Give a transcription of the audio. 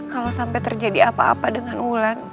kalau sampai terjadi apa apa dengan ulang